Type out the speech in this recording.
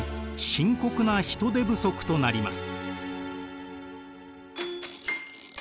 深刻な人手不足となります。